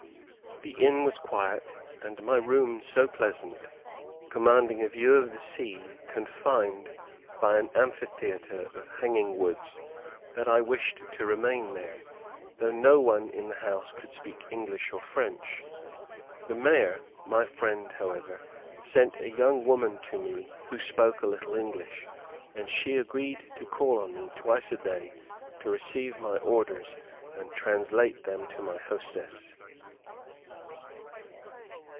The inn was quiet, and my room so pleasant, commanding a view of the sea, confined by an amphitheatre of hanging woods, that I wished to remain there, though no one in the house could speak English or French. The mayor, my friend, however, sent a young woman to me who spoke a little English, and she agreed to call on me twice a day to receive my orders and translate them to my hostess.